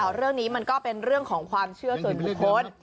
เรื่องนี้มันก็เป็นเรื่องของความเชื่อส่วนบุคคล